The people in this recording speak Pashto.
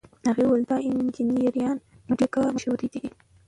هغه وویل د نایجیریا مډیګا مشهور دی.